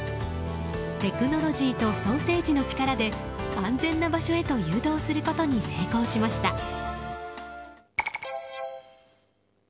テクノロジーとソーセージの力で安全な場所へと誘導することに成功しました。